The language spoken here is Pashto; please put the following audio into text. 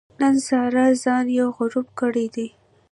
نن سارا ځان یو غړوپ کړی دی.